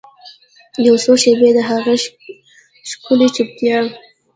یوڅو شیبې د هغې ښکلې چوپتیا